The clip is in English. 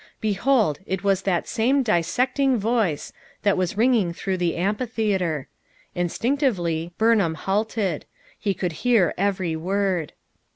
Behold it was that same " dissecting" voice that was ringing through the am phitheater. Instinctively Burnham halted; he could hear every word.